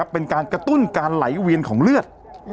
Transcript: เป็นการกระตุ้นการไหลเวียนของเลือด